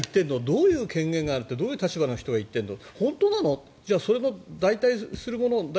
どういう権限を持ってどういう立場の人が言ってるの？